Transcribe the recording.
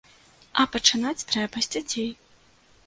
А пачынаць трэба з дзяцей.